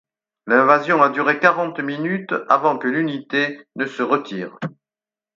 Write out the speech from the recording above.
L'invasion a duré quarante minutes avant que l'unité ne se retire.